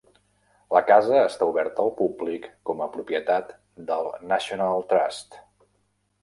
La casa està oberta al públic com a propietat del National Trust.